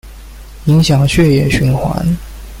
影响血液循环